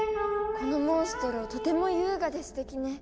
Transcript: このモンストロとても優雅ですてきね。